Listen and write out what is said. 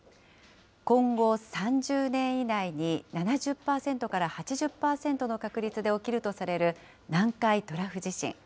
今後３０年以内に７０％から８０％の確率で起きるとされる、南海トラフ地震。